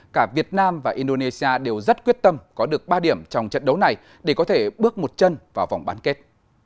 cả việt nam và indonesia đều rất quyết tâm có được ba điểm trong trận đấu này để có thể bước một chân vào vòng bán kết